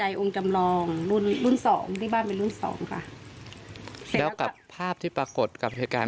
มวงกำลองรุ่นรุ่นสองรุ่นสองครับเดี๋ยวกับภาพที่ปรากฎกับเหตุการณ์